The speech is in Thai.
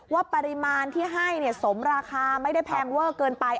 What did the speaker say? ว่าปริมาณที่ให้สมราคาไม่ได้แพงเวอร์เกินไป